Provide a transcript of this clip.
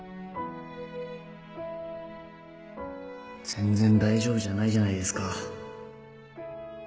全然大丈夫じゃないじゃないですか